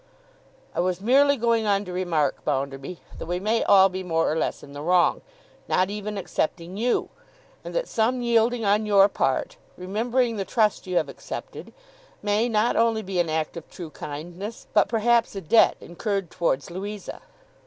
'I was merely going on to remark, Bounderby, that we may all be more or less in the wrong, not even excepting you; and that some yielding on your part, remembering the trust you have accepted, may not only be an act of true kindness, but perhaps a debt incurred towards Louisa.